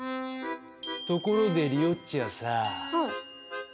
ところでリオッチはさ。